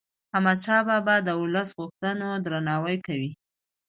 احمدشاه بابا د ولس د غوښتنو درناوی کاوه.